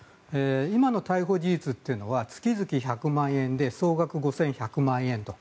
今の逮捕事実っていうのは月々１００万円で総額５１００万円と。